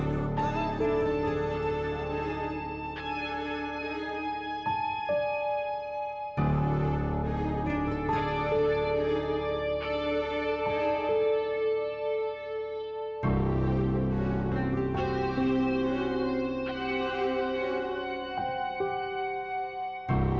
masa itu kita berdua